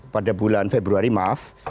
pada bulan februari maaf